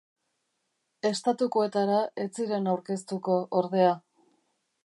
Estatukoetara ez ziren aurkeztuko, ordea.